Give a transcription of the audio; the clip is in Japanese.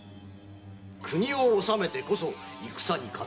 国を治めてこそ戦に勝てるのだ。